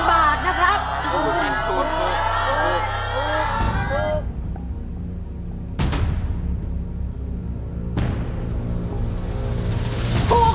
ถูกถูกถูกถูกถูกถูก